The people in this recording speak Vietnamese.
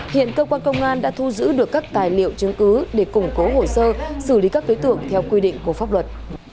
hiện cơ quan công an đã thu giữ được các tài liệu chứng cứ để củng cố hồ sơ xử lý các đối tượng theo quy định của pháp luật